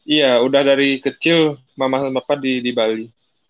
iya udah dari kecil mama sama papa di bali